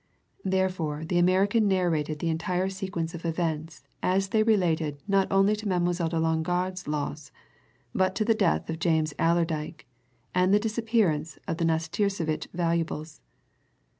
Therefore the American narrated the entire sequence of events as they related not only to Mademoiselle de Longarde's loss but to the death of James Allerdyke and the disappearance of the Nastirsevitch valuables.